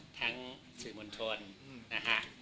ทั้งสิบวันทวนนะฮะ